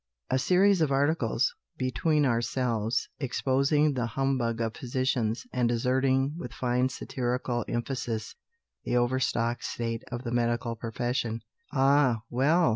A series of articles (between ourselves) exposing the humbug of physicians, and asserting with fine satirical emphasis the overstocked state of the medical profession. Ah, well!